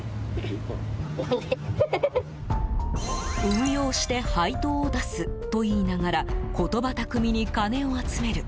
運用して配当を出すと言いながら言葉巧みに金を集める。